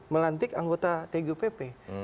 melantik anggota tgupp